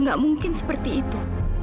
nggak mungkin seperti itu